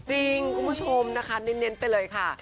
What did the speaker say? คุณผู้ชมนะคะเน้นไปเลยค่ะ